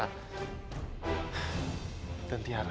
afif dan tiara